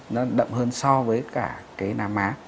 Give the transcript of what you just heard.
nó đậm hơn so với cả cái nám má